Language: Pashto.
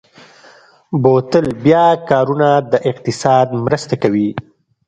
بوتل بیا کارونه د اقتصاد مرسته کوي.